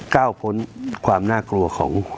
ก้าวพ้นความน่ากลัวของ